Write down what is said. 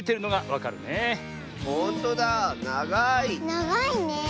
ながいねえ。